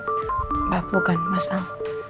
mbak bukan mas am